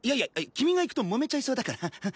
君が行くともめちゃいそうだからハハ。